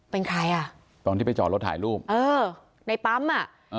เป็นใครอ่ะตอนที่ไปจอดรถถ่ายรูปเออในปั๊มอ่ะอ่า